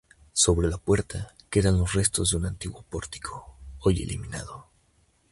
Sobre la puerta quedan los restos de un antiguo pórtico, hoy eliminado.